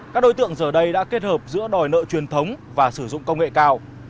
các đối tượng giờ đây đã kết hợp giữa đòi nợ truyền thống và sử dụng công nghệ cao